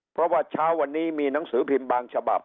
เพราะว่าเช้าวันนี้มีหนังสือพิมพ์บางฉบับ